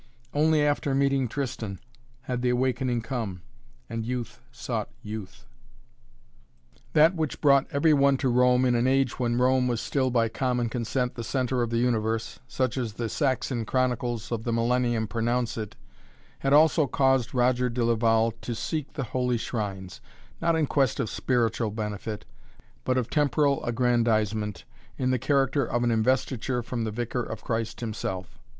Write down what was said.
Only after meeting Tristan had the awakening come, and youth sought youth. That which brought every one to Rome in an age when Rome was still by common consent the centre of the universe, such as the Saxon Chronicles of the Millennium pronounce it, had also caused Roger de Laval to seek the Holy Shrines, not in quest of spiritual benefit, but of temporal aggrandizement, in the character of an investiture from the Vicar of Christ himself.